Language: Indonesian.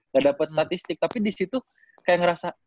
gak dapat statistik tapi disitu kayak ngerasa